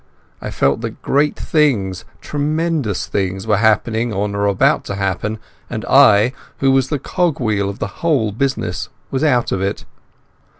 I felt that great things, tremendous things, were happening or about to happen, and I, who was the cog wheel of the whole business, was out of it.